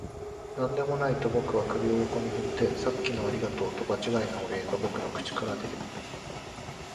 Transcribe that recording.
「何でもない」と僕は首を横に振って、「さっきのありがとう」と場違いなお礼が僕の口から出てくる